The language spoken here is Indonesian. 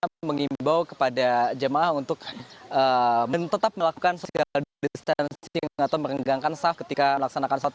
mengimbau kepada jemaah untuk tetap melakukan social distancing atau merenggangkan saf ketika melaksanakan sholat